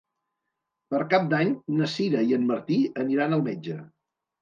Per Cap d'Any na Sira i en Martí aniran al metge.